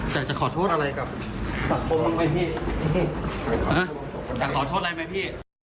แต่จะขอชดอะไรกับจะขอชดอะไรไหมพี่